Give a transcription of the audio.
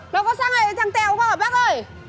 nó có sang này với thằng tèo không ạ bác ơi